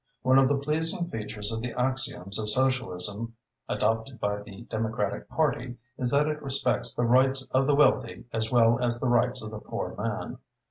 "One of the pleasing features of the axioms of Socialism adopted by the Democratic Party is that it respects the rights of the wealthy as well as the rights of the poor man.